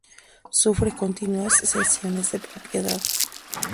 Sufre continuas cesiones de propiedad.